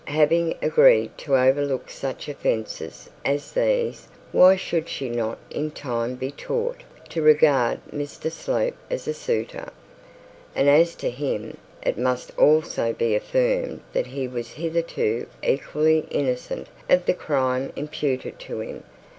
Having agreed to overlook such offences as these, why should she not in time be taught to regard Mr Slope as a suitor? And as to him, it must be affirmed that he was hitherto equally innocent of the crime imputed to him.